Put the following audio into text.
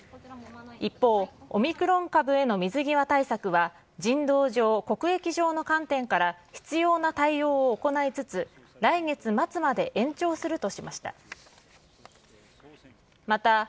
一方、オミクロン株への水際対策は人道上、国益上の観点から必要な対応を行いつつ、来月末まで延長するとしました。